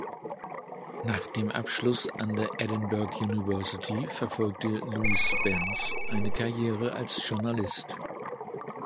Nach dem Abschluss an der Edinburgh University verfolgte Lewis Spence eine Karriere als Journalist.